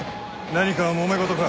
何かもめ事か。